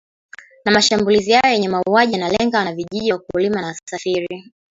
na mashambulizi yao yenye mauaji yanalenga wanavijiji wakulima na wasafiri